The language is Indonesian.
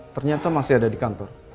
ternyata masih ada di kantor